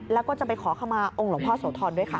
แล้วก็จะไปขอขมาองค์หลวงพ่อโสธรด้วยค่ะ